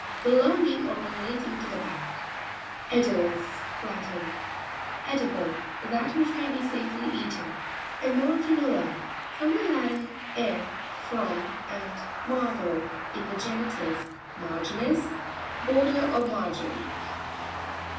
Belonging or relating to the back. E'puuis.—Latin. Edible ; that which may be safely eaten. Emarei'nuta.—From the Latin, e, from, and margo, in the genitive, marginis, border or margin.